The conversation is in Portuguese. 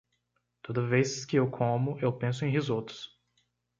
Toda vez que eu como eu penso em risotos.